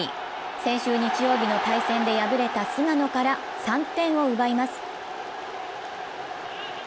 先週日曜日の対戦で敗れた菅野から３点を奪います。